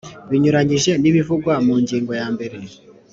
Binyuranyije nibivugwa mu ngingo yambere